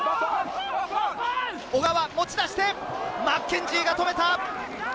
小川、持ち出してマッケンジーが止めた。